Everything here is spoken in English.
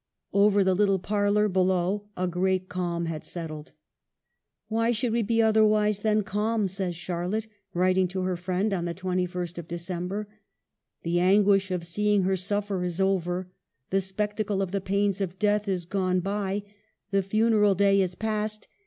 Over the little parlor below a great calm had settled. " Why should we be otherwise than calm ?" says Charlotte, writing to her friend on the 21st of December. " The an guish of seeing her suffer is over ; the spectacle of the pains of death is gone by ; the funeral day is past.